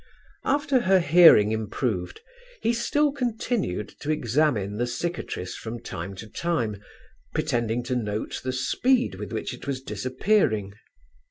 After her hearing improved he still continued to examine the cicatrice from time to time, pretending to note the speed with which it was disappearing.